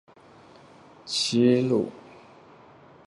齐伐鲁取都。